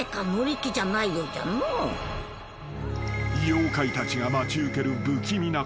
［妖怪たちが待ち受ける］